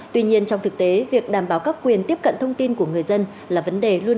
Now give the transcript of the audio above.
tuy nhiên trong thực tế việc đảm bảo các quyền tiếp cận thông tin của người dân là vấn đề luôn